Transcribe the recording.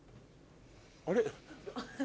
あれ？